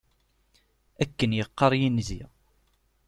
Akken yeqqaṛ yinzi.